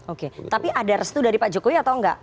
oke tapi ada restu dari pak jokowi atau enggak